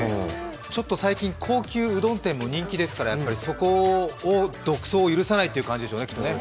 最近高級うどん店も人気ですから、そこを独走を許さないという感じですよね、きっとね。